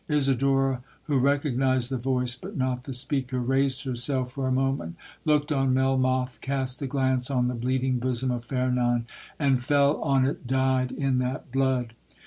Isidora, who recognized the voice but not the speaker, raised herself for a moment—looked on Melmoth—cast a glance on the bleeding bosom of Fernan, and fell on it dyed in that blood.